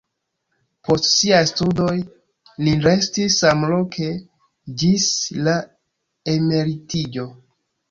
Post siaj studoj li restis samloke ĝis la emeritiĝo.